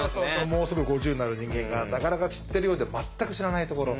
もうすぐ５０になる人間がなかなか知ってるようで全く知らないところ。